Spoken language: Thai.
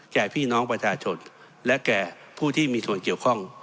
แก่พี่น้องประชาชนและแก่ผู้ที่มีส่วนเกี่ยวข้อง